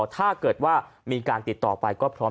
ถ้าเกิดว่ามีการติดต่อไปก็พร้อม